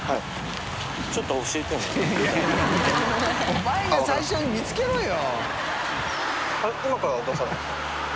お前が最初に見つけろよ！